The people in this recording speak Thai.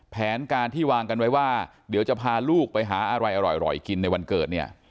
แผนการที่วางกันไว้ว่าเดี๋ยวจะพาลูกไปหาอะไรอร่อยกินในวันเกิดเนี่ย